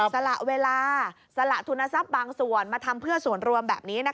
สละเวลาสละทุนทรัพย์บางส่วนมาทำเพื่อส่วนรวมแบบนี้